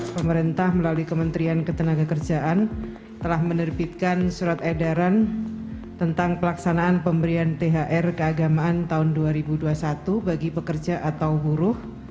pemerintah melalui kementerian ketenagakerjaan telah menerbitkan surat edaran tentang pelaksanaan pemberian thr keagamaan tahun dua ribu dua puluh satu bagi pekerja atau buruh